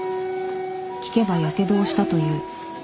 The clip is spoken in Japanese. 聞けばやけどをしたという。